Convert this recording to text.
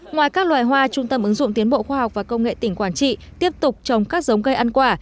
ngoài các loài hoa trung tâm ứng dụng tiến bộ khoa học và công nghệ tỉnh quảng trị tiếp tục trồng các giống cây ăn quả